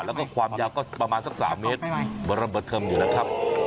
แล้วก็ความยาวก็ประมาณสัก๓เมตรบรรบธรรมอยู่แล้วครับ